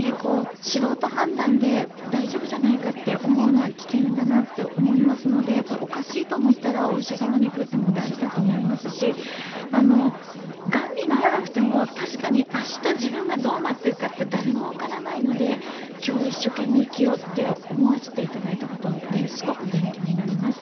素人判断で大丈夫じゃないかって思うのは危険だなって思いますのでおかしいと思ったらお医者様に行くというのも大事だと思いますしがんにならなくても確かに明日自分がどうなっているかって誰もわからないので今日を一生懸命生きようって思わせていただいたことですごく勉強になりました。